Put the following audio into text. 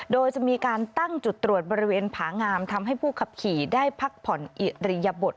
โดยจะมีการตั้งจุดตรวจบริเวณผางามทำให้ผู้ขับขี่ได้พักผ่อนอิริยบท